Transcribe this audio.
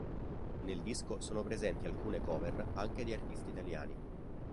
Nel disco sono presenti alcune cover anche di artisti italiani.